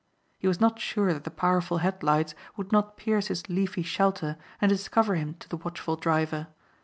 He was not sure that the powerful headlights would not pierce his leafy shelter and discover him to the watchful driver.